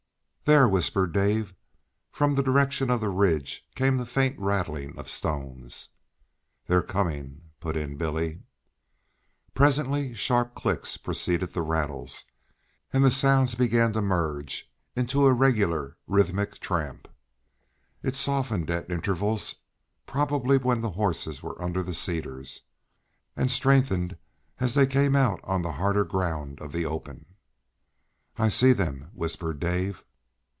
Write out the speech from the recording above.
"There!" whispered Dave. From the direction of the ridge came the faint rattling of stones. "They're coming," put in Billy. Presently sharp clicks preceded the rattles, and the sounds began to merge into a regular rhythmic tramp. It softened at intervals, probably when the horses were under the cedars, and strengthened as they came out on the harder ground of the open. "I see them," whispered Dave.